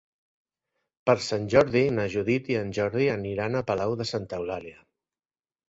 Per Sant Jordi na Judit i en Jordi aniran a Palau de Santa Eulàlia.